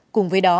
cùng với đó